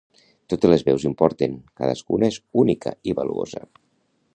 Totes les veus importen, cadascuna és única i valuosa